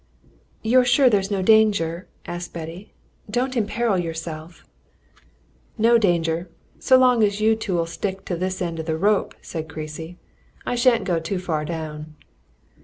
"You're sure there's no danger?" asked Betty. "Don't imperil yourself!" "No danger, so long as you two'll stick to this end of the rope," said Creasy. "I shan't go too far down."